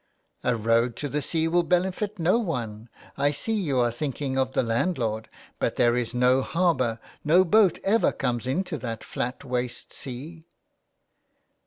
*' A road to the sea will benefit no one. ... I see you are thinking of the landlord. But there is no harbour ; no boat ever comes into that flat, waste sea."